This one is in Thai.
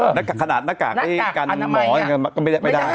หน้าขนาดหน้ากากกันหมอก็ไม่ได้